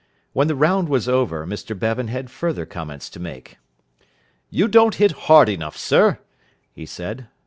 When the round was over, Mr Bevan had further comments to make. "You don't hit hard enough, sir," he said.